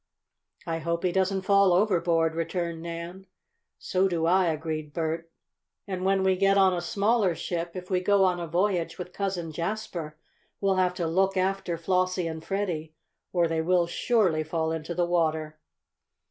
"I hope he doesn't fall overboard," returned Nan. "So do I," agreed Bert. "And when we get on a smaller ship, if we go on a voyage with Cousin Jasper, we'll have to look after Flossie and Freddie, or they will surely fall into the water."